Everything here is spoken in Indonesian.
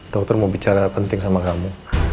dokter mau bicara penting sama kamu